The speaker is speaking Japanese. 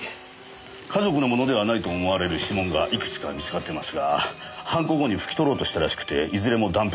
家族のものではないと思われる指紋がいくつか見つかってますが犯行後に拭き取ろうとしたらしくていずれも断片です。